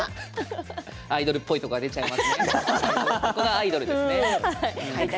アイドルっぽいところが出ちゃいましたね。